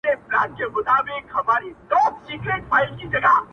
په اوبو کوچي کوي.